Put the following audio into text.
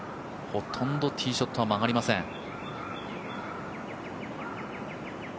ほとんどティーショットは曲がりません。